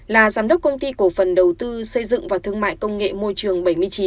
là giám đốc công ty cổ phần đầu tư xây dựng và thương mại công nghệ môi trường bảy mươi chín